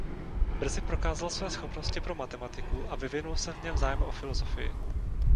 Brzy prokázal své schopnosti pro matematiku a vyvinul se v něm zájem o filozofii.